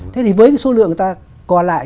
thế thì với số lượng người ta còn lại